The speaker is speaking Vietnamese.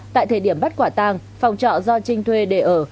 tại thời điểm bắt quả tàng phòng trọ do trinh thuê để ở